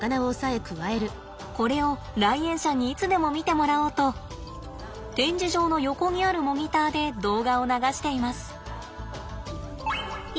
これを来園者にいつでも見てもらおうと展示場の横にあるモニターで動画を流しています。